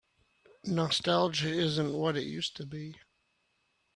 Nostalgia isn't what it used to be.